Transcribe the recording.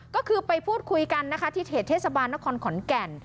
ก็คือไปพูดคุยกันนะคะที่เขตเทศบาลนครขอนแก่น